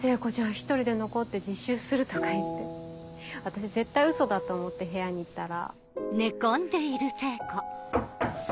一人で残って自習するとか言って私絶対ウソだと思って部屋に行ったら。